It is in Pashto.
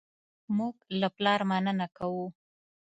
موږ له خپل پلار مننه کوو.